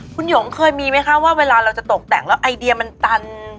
คุณหยงเคยมีไหมคะว่าเวลาเราจะตกแต่งแล้วไอเดียมันตัน